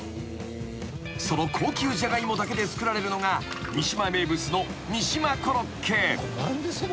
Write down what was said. ［その高級ジャガイモだけで作られるのが三島名物のみしまコロッケ］